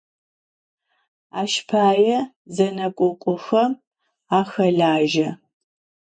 Aş paê zenekhokhuxem axelaje.